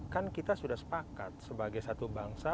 kan kita sudah sepakat sebagai satu bangsa